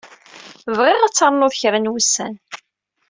Bɣiɣ ad ternud kra n wussan.